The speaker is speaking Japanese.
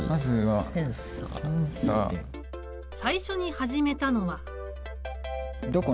最初に始めたのは。